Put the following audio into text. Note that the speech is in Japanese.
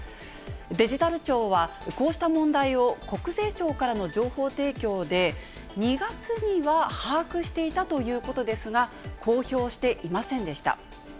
デジタル庁は、こうした問題を国税庁からの情報提供で、２月には把握していたということですが、公表していませんでした。